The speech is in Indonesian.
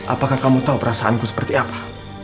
apakah kamu tahu perasaanku seperti apa